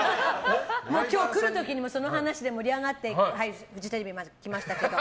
今日来る時にもその話で盛り上がってフジテレビに来ましたけど。